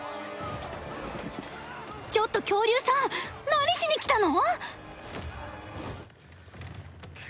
ちょっと恐竜さん何しに来たの？